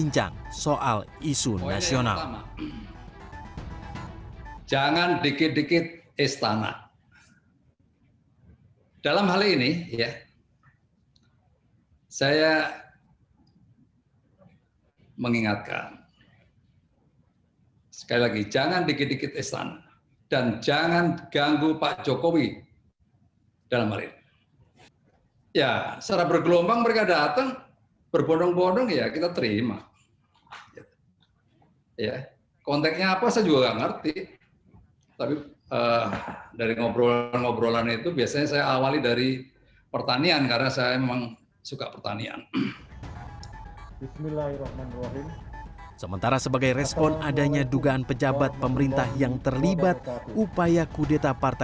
jalan proklamasi jatah pusat